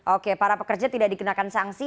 oke para pekerja tidak dikenakan sanksi